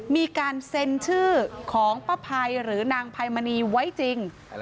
มีการเซ็นชื่อของป้าภัยหรือนางไพมณีไว้จริง